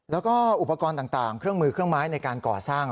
แล้วก็อุปกรณ์ต่างเครื่องมือเครื่องไม้ในการก่อสร้าง